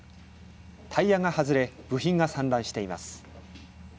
タイヤが外れ部品が散乱しています。